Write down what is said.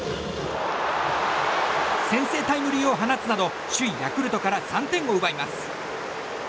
先制タイムリーを放つなど首位ヤクルトから３点を奪います。